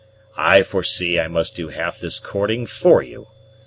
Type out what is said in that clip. I foresee I must do half this courting for you.